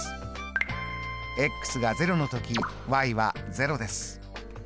が０の時は０です。